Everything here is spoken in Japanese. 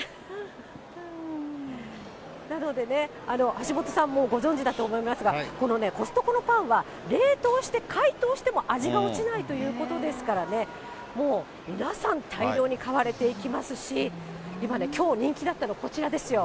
なのでね、橋下さんもご存じだと思いますが、このコストコのパンは、冷凍して解凍しても味が落ちないということですからね、もう皆さん、大量に買われていきますし、今ね、きょう人気だったのがこちらですよ。